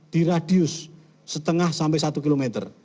di radius setengah sampai satu km